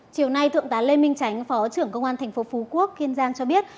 chiều nay thượng tá lê minh chánh phó trưởng công an tp phú quốc kiên giang cho biết